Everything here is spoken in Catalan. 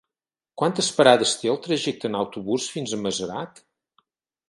Quantes parades té el trajecte en autobús fins a Masarac?